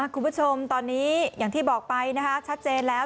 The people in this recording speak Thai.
คุณผู้ชมตอนนี้อย่างที่บอกไปชัดเจนแล้ว